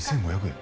２５００円？